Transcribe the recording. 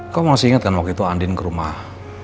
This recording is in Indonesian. kok masih ingat kan waktu itu andin ke rumah